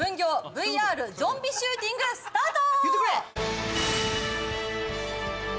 ＶＲゾンビシューティングスタート！